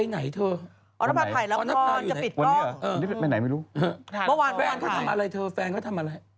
แฟนเขาทำอะไรเธอแฟนเขาทำอะไร